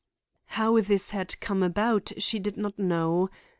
How this had come about she did not know.